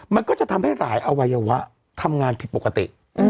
มันก็จะทำให้หลายอวัยวะทำงานผิดปกติ